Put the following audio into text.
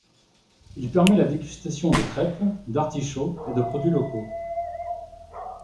Il permet la dégustation de crêpes, d’artichauts et de produits locaux.